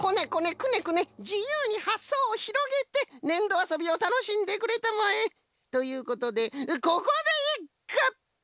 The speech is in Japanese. くねくねじゆうにはっそうをひろげてねんどあそびをたのしんでくれたまえ！ということでここでいっく！